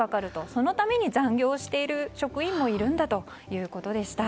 そのために残業をしている職員もいるんだということでした。